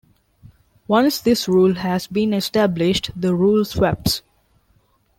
Once this rule has been established, the rule swaps.